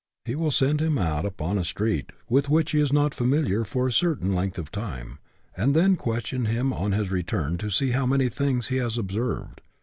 He will send him out upon a street with which he is not familiar for a certain length of time, and then question him on his return to see how many things he has observed.